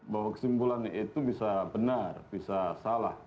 bahwa kesimpulan itu bisa benar bisa salah